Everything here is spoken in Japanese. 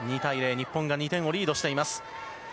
日本が２点をリードしています。